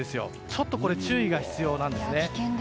ちょっと注意が必要なんですね。